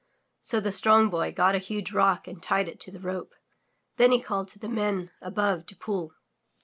So the Strong Boy got a huge rock and tied it to the rope, then he called to the Men above to pull.